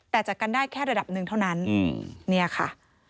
แต่จัดกันได้แค่ระดับหนึ่งเท่านั้นเนี่ยค่ะ